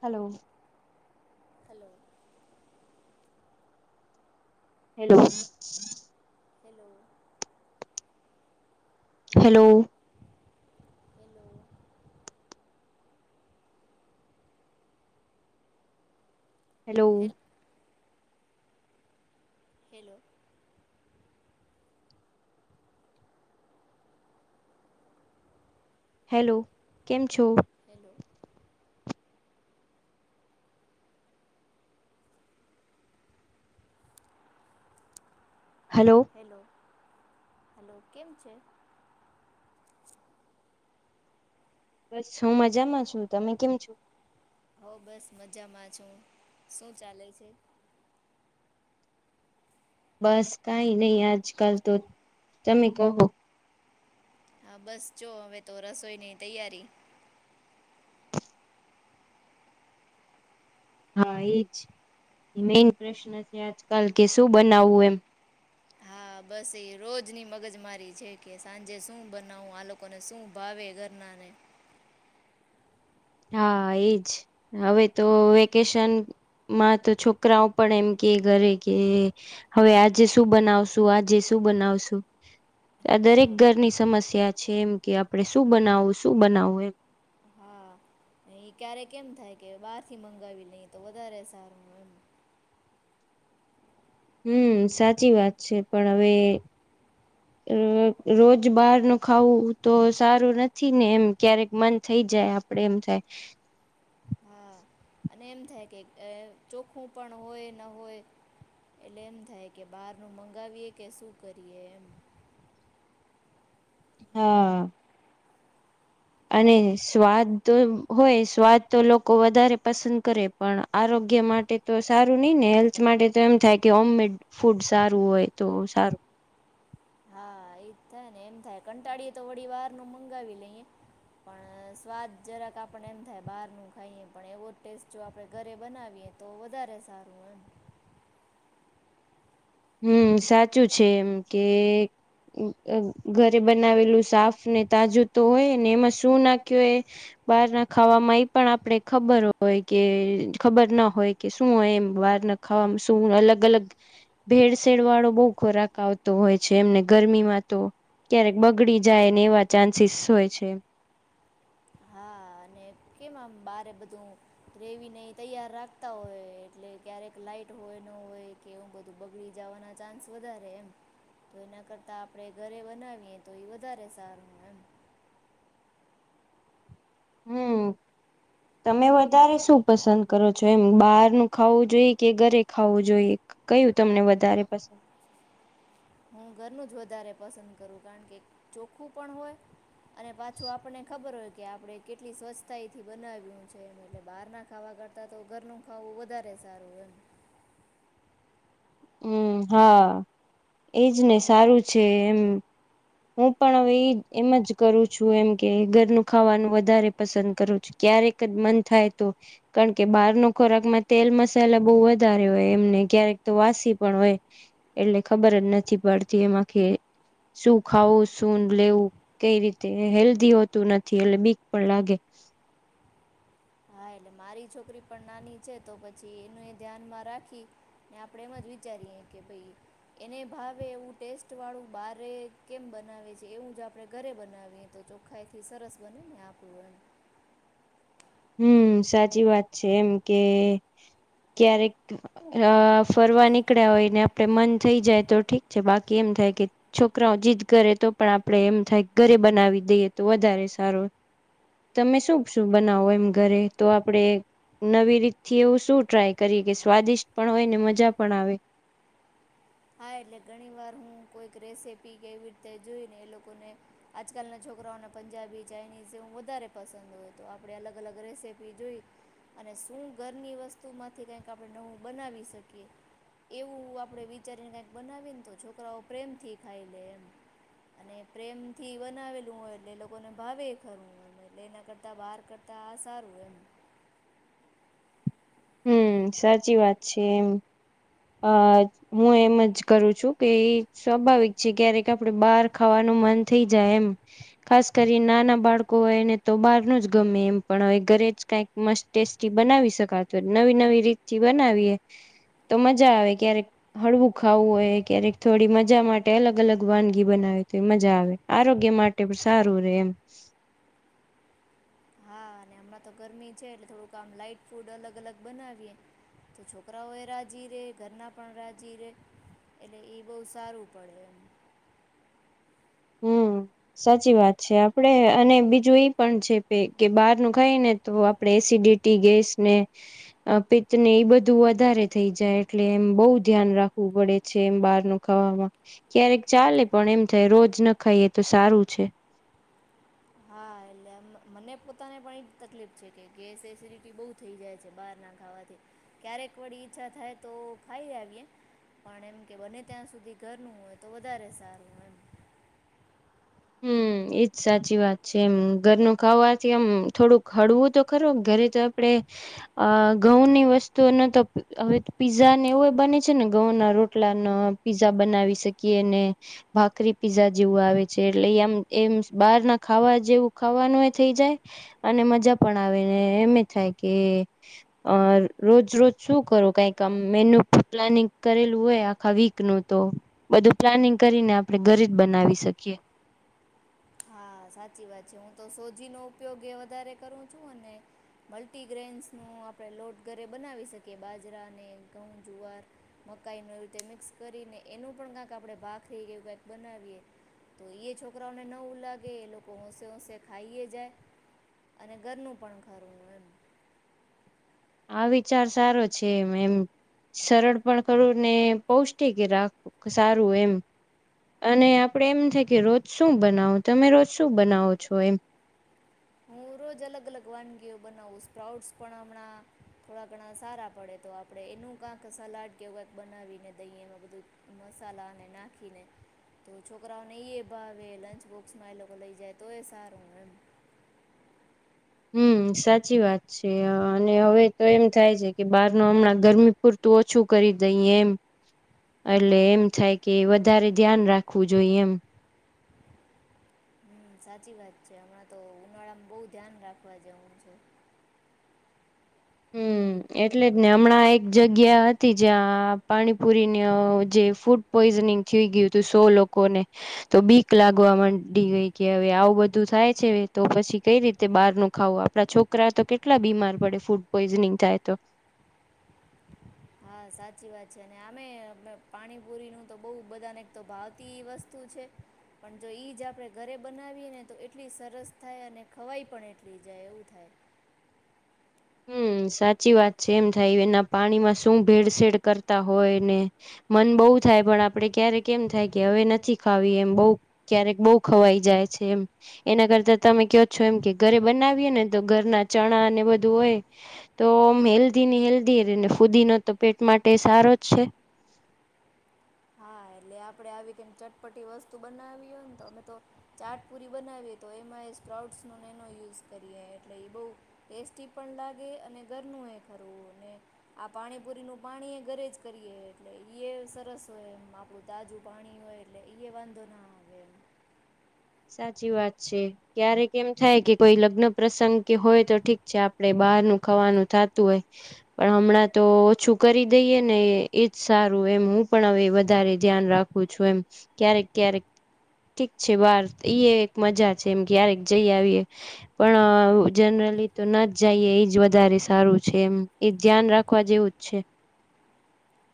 હાલો. Hello hello. Hello hello. Hello hello. Hello. Hello કેમ છો? Hello hello hello. Hello કેમ છે? બસ હું મજામાં છું. તમે કેમ છો? હ બસ મજામાં છું. શું ચાલે છે? બસ કઈ નહી આજકાલ તો તમે કહો. હા બસ જો હવે તો રસોઈની તૈયારી હા, એજ મેન પ્રશ્ન છે આજકાલ કે શું બનાવવું એમ હા, બસ એ રોજની મગજ મારી છે. કે સાંજે શું બનાવું આ લોકોને શું ભાવે ઘરનાને. હા, એજ હવે તો વેકેશન માં તો છોકરાઓ પણ એમ કે ઘરે કે હવે આજે શું બનાવશું? આજે શું બનાવશું? આ દરેક હા ઘરની સમસ્યા છે એમ કે આપણે શું બનાવવું? શું બનાવવું એમ. હા એ ક્યારેક કેમ થાય કે બહાર થી મંગાવી લઈ તો વધારે સારું એમ. હમ, સાચી વાત છે. પણ હવે અ રોજ બહારનું ખાવું તો સારું નથી ને એમ ક્યારેક મન થઈ જાય આપડે એમ થાય. હા અને એમ થાય કે અ ચોખ્ખું પણ હોય ન હોય એટલે એમ થાય કે બહારનું મંગાવીએ કે શું કરીએ એમ. હા. અને સ્વાદ તો હોય સ્વાદ તો લોકો વધારે પસંદ કરે પણ આરોગ્ય માટે તો સારું નહી ને હેલ્થ માટે તો એમ થાય કે હોમમેડ ફૂડ સારું હોય તો સારું. હા એ જ થાય ને એમ થાય કંટાળીએ તો વળી બહારનું મંગાવી લઈએ પણ સ્વાદ જરાક આપણ એમ થાય બહાર ન ખાઈએ પણ એવો ટેસ્ટ જો આપણે ઘરે બનાવીએ તો વધારે સારું એમ. હમ્મ સાચું છે. એમ કે ઘરે બનાવેલું સાફ ને તાજું તો હોય ને એમાં શું નાખ્યું એ બહાર ના ખાવામાં એ પણ આપણે ખબર હોય કે ખબર ના હોય કે શું હોય એમ બહાર ના ખાવામાં શું અલગ અલગ ભેળસેળ વાળો બહુ ખોરાક આવતો હોય છે. એમને ગરમીમાં તો ક્યારેક બગડી જાયને એવા ચાન્સીસ હોય છે. કેમમ બારે બધું ગ્રેવીને તૈયાર રાખતા હોય એટલે ક્યારેક લાઈટ હોય ન હોય કે બધું બગડી જવાના ચાન્સ વધારે એમ તો એના કરતા આપણે ઘરે બનાવીએ તો એ વધારે સારું એમ. હમ, તમે વધારે શું પસંદ કરો છો? એમ બહારનું ખાવું જોઈએ કે ઘરે ખાવું જોઈએ કયું તમને વધારે પસંદ. હું ઘરનું જ વધારે પસંદ કરું કારણ કે ચોખ્ખું પણ હોય અને પાછું આપણને ખબર હોય કે આપણે કેટલી સ્વચ્છતા એથી બનાવ્યું છે. એ એટલે બહાર ના ખાવા કરતા તો ઘરનું ખાવું વધારે સારું હોય એમ હમ્મ હા. એજ ને સારું છે એમ. હું પણ હવે એ એમ જ કરું છું એમ કે ઘરનું ખાવાનું વધારે પસંદ કરું છું ક્યારેક જ મન થાય તો કારણ કે બહારનો ખોરાકમાં તેલ મસાલા બહુ વધારે હોય એમને ક્યારેક તો વાસ તું પણ હોય એટલે ખબર જ નથી પડતી એમાં કે શું ખાવું શું લેવું કઈ રીતે હેલ્ધી હોતું નથી એટલે બીક પણ લાગે. હા એટલે મારી છોકરી પણ નાની છે તો પછી એનું એ ધ્યાનમાં રાખી ને આપણે એમ જ વિચારીએ કે ભાઈ એને ભાવે એવું ટેસ્ટ વાળું બારે કેમ બનાવે છે એવું જ આપણે ઘરે બનાવીએ તો ચોખ્ખાઈથી સરસ બનેને આપડું એમ હમ્મ સાચી વાત છે. એમ કે ક્યારેક અહ ફરવા નીકળ્યા હોય ને આપડે મન થઈ જાય તો ઠીક છે બાકી એમ થાય કે છોકરાઓ જીદ કરે તો પણ આપણે એમ થાય ઘરે બનાવી દઈએ તો વધારે સારો. તમે શું શું બનાવો? ઘરે તો આપણે નવી રીતથી એવું શું ટ્રાય કરીએ કે સ્વાદિષ્ટ પણ હોય ને મજા પણ આ હા એટલે ઘણી વાર હું કોઈક રેસીપી કેવી રીતે જોઈને એ લોકોને આજકાલના છોકરાઓને પંજાબી ચાઇનીઝ એવું વધારે પસંદ હોય તો આપણે અલગ અલગ રેસીપી જોઈ અને શું ઘરની વસ્તુ માંથી કઈક આપણે નવું બનાવી શકીએ એવું આપણે વી ચારીનેક બનાવીને તો છોકરાઓ પ્રેમ થી ખાઈ લે એમ. અને પ્રેમ થી બનાવેલું હોય એટલે લોકોને ભાવે ખરું એ એટલે એના કરતા બહાર કરતા આ સારું એમ. હમ્મ સાચી વાત છે એમ. આહ હું એમ જ કરું છું કે એ સ્વાભાવિક છે ક્યારેક આપણે બહાર ખાવાનું મન થઈ જાય એમ ખાસ કરી નાના બાળકો હોયને તો બહારનું જ ગમે એમ પણ હવે ઘરે જ કઈક મસ્ત ટેસ્ટી બનાવી શકાત નવી નવી રીતથી બનાવીએ તો મજા આવે ક્યારેક હળવું ખાવું હોય ક્યારેક થોડી મજા માટે અલગ અલગ વાનગી બનાવી તો એ મજા આવે. આરોગ્ય માટે પણ સારું રે એમ. ને હમણાં તો ગરમી છે એટલે થોડુંક આમ લાાઈટ ફૂડ અલગ અલગ બનાવીએ તો છોકરાઓ એ રાજી રે ઘરના પણ રાજી રે એટલે એ બહ સારું પડે એમ. હમ્મ, સાચી વાત છે. આપડે અને બીજું એ પણ છે પે કે બહાર નું ખાય ને તો આપડે એસિડિટી ગેસ ને અહ પિતત ને એ બધું વધારે થઈ જાય એટલે એમ બહુ ધ્યાન રાખવું પડે છે એમ બહાર નું ખાવામાં ક્યારેક ચાલે પણ એમ થાય રોજ જ ખઈએ તો સારું છે. હા એટલે આમ મને પોતાને પણ એ તકલીફ છે કે ગેસ એસિડિટી બહુ થઈ જાય છે બહાર ના ખાવાથી ક્યારેક વળી ઈચ્છા થાય તો ખાઈ આવીએ પણ એમ કે બને ત્યાં સુધી ઘરનું હોય તો વધારે સારું હો એમ. હમ્મ એજ સાચી વાત છે એમ ઘરનું ખાવાથી એમ થોડુંક હળવું તો ખરું ઘરે તો આપડે આહ ઘઉં ની વસ્તુને તો હવે પીઝા ને એવું બને છે ને ઘઉં ના રોટલા ને પીઝા બનાવી શકીએ ને ભાખરી પીઝા જેવું આવે છ એટલે આમ એમસ બહાર ના ખાવા જેવું ખાવાનું એ થઈ જાય અને મજા પણ આવેને એમે થાય કે અહ રોજ રોજ શું કરો કઈક આમ મેન્યુ પ્લાનિંગ કરેલું હોય આખા વીક નું તો બધું પ્લાનિંગ કરીને આપણે ઘરે જ બનાવી શકીએ. હા, સાચી વાત છે. હું તો સોજી નો ઉપયોગ એ વધારે કરું છું અને મલ્ટીગ્રેન્સ નું આપણે લોટ ઘરે બનાવી શકીએ બાજરાને ઘઉં જુવાર મકાઈ નું એ તે મિક્સ કરીને એનું પણ કક આપણે ભાખરીું કક બનાવીએ તો એ છોકરાઓને નઉ લાગે એ લોકો હોંશે હોંશે ખાઈ જાય અને ઘરનું પણ ખરું એમ. આ વિચાર સારો છે. મેંમ એમ સરળ પણ કરું ને પૌષ્ટિક રાખું સારું એમ અને આપડે એમ થે કે રોજ શું બનાવો તમે રોજ શું બનાવો છો એમ. હું રોજ અલગ અલગ વાનગીઓ બનાવું. સ્પ્રાઉટ્સ પણ હમણાં થોડા ઘણા સારા પડે તો આપડણે એનું કક સલાડ કે એવું કંઈક બનાવીને દહીમાં બધું મસાલાને નાખીને તો છોકરાઓને એ ભાવે લંચ બોક્સમાં એ લોકો લઈ જાય તો એ સારું એમ. હમ્મ સાચી વાત છે. અને હવે તો એમ થાય છે કે બહાર ન હમણાં ગરમી પૂરતું ઓછું કરી દઈ એમ એટલે હા એમ થાય કે વધારે ધ્યાન રાખવું જોઈ એમ. હમ્મ સાચી વાત છે. હમણાં તો ઉનાળામાં બહુ ધ્યાન રાખવા જેવું છે. હમ્મ, એટલે જ ને હમણાં એક જગ્યા હતી જ્યાં પાણીપુરીને અહ જે ફૂડ પોઈઝનિંગ થઈ ગયું હતું સો લોકોને તો બીક લાગવા માંડી ગઈ કે હવે આવું બધું થાય છે તો પછી કઈ રીતે બહાર નું ખાવું આપડા છોકરા તો કેટલા બીમાર પડે ફૂડ પોઝીનિંગ થાય તો. હા સાચી વાત છે અને આમે પાણીપુરીનું તો બહ બધાને તો ભાવતી વસ્તુ છે પણ જો એઈ જ આપણે ઘરે બનાવીએ ને તો એટલી સરસ થાય અને ખવાય પણ એટલી જાય એવું થાય. હમ્મ સાચી વાત છે, એમ થાય એના પાણીમાં શું ભેળસેડ કરતા હોય ને મન બહુ થાય પણ આપડે ક્યારેક એમ થાય કે હવે નથી ખાવી એમ બહ ક્યારેક બહુ ખવાઈ જાય છે એમ એના કરતા તમે કો છો એમ કે ઘરે બનાવીએ ને તો ઘરના ચણા ને બધ ધુએ હોય તો આમ હેલ્ધી ને હેલ્ધી રને ફુદી ન તો પેટ માટે સારો જ છે. હા એટલે આપણેે આવી કેમ ચટપટી વસ્તુ બનાવીએ ને તો અમે તો ચાટપુરી બનાવીએ તો એમાં એ સ્પ્રાઉટ્સ ન એનો યુઝ કરીએ એટલે એ બહ ટેસ્ટી પણ લાગે અને ઘરનું એ ખરવું ને આ પાણીપુરીનું પાણી એ ઘરે જ કરીએ એટલે સરસ. એમ આપણું તાજું પાણી હોય એટલે ઈ એ વાંધો ના આવે એમ. સાચી વાત છે, ક્યારેક એમ થાય કે કોઈ લગ્ન પ્રસંગ કે હોય તો ઠીક છે આપડે બહારનું ખાવાનું થતું હોય પણ હમણાં તો ઓછું કરી દઈએ ને એજ સારું એમ હું પણ હવે વધારે ધ્યાન રાખું છું એમ ક્યારેક ક્યારેક ઠીક છે બાર ઈ એક મજા છે એમ ક્યારેક જઈ આવીએ પણ જનરલી તો ન જ જઈએ એજ વધારે સારું છે એમ એ ધ્યાન રાખવા જેવું જ છે.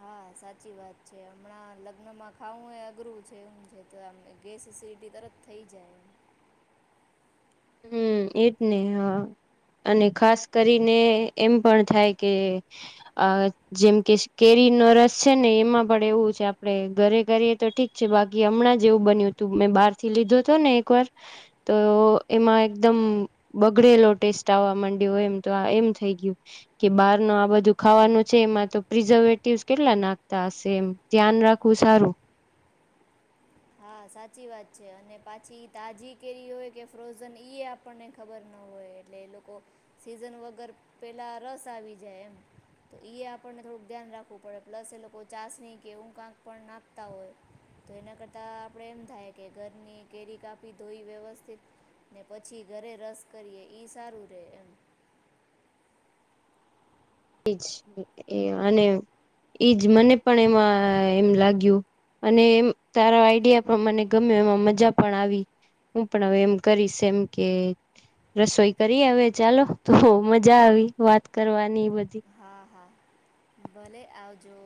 હા સાચી વાત છે હમણાં લગ્નમાં ખાવું એ અઘરું છે એમ છે તો આ ગેસ સીટી તરત થઈ જાય એમ. હમ્મ એજ ને હ અને ખાસ કરીને એમ પણ થાય કે અ જેમ કે કેરીનો રસ છે ને એમાં પણ એવું છે આપણે ઘરે કરીએ તો ઠીક છે બાકી હમણાં જેવું બન્યું હતું મેં બહાર થી લીધો હતો ને એક વાર તો એમાં એકદમ બગડેલો ટેસ્ટ આવવા માંડ્યો હોય એમ તો આ એમ થઈ ગયું કે બહાર ન આ બધું ખાવાનું છે એમાં તો પ્રિઝર્વેટિવ કેટલા નાખતા હશે એમ ધ્યાન રાખવું સારું. હા સાચી વાત છે, અને પાછી તાજી કેરી હોય કે ફ્રોઝન ઈ આપણને ખબર ના હોય એટલે એ લોકો સીઝન વગર પેલા રસ આવી જાય એમ તો આપણને થોડુંક ધ્યાન રાખવું પડે પ્લસ એ લોકો ચાસણી કે ઊંખ આંક પણ નાખતા હોય તો એના કરતા આપણેે એમ થાય કે ઘરની કેરી કાપી ધોઈ વ્યવસ્થિત ને પછી ઘરે રસ કરીએ સારું રે એમ. જ એ અને એઈજ મને પણ એમાં એમ લાગ્યું અને એમ તારા આઈડિયા પણ મને ગમે એમાં મજા પણ આવી હું પણ હવે એમ કરીશ એમ કે રસોઈ કરી હવે ચાલો તો મજા આવી વાત કરવાની. હા હા ભલે આવજો.